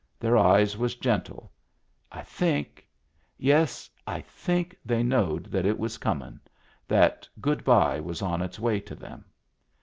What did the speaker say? Their eyes was gentle. I think — yes, I think they knowed that it was coming, that good by was on its way to them.